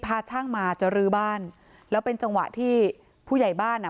พาช่างมาจะรื้อบ้านแล้วเป็นจังหวะที่ผู้ใหญ่บ้านอ่ะ